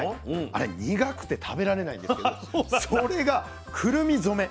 あれ苦くて食べられないんですけどそれがくるみ染め。